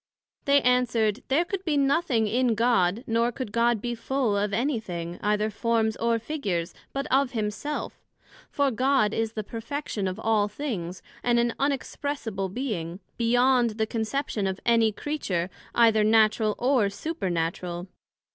They answered, There could be nothing in God, nor could God be full of any thing, either forms or figures, but of himself; for God is the Perfection of all things, and an Unexpressible Being, beyond the conception of any Creature, either Natural or Supernatural.